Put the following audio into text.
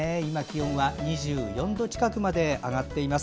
気温は２０度前後まで上がっています。